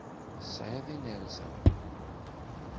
Tesεiḍ inerza.